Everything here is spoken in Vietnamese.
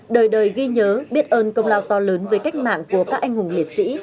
đời đời ghi nhớ biết ơn công lao to lớn về cách mạng của các anh hùng liệt sĩ